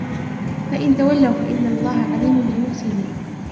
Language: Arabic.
فإن تولوا فإن الله عليم بالمفسدين